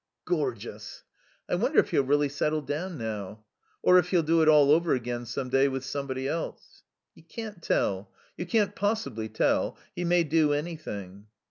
"Gorgeous." "I wonder if he'll really settle down now. Or if he'll do it all over again some day with somebody else." "You can't tell. You can't possibly tell. He may do anything."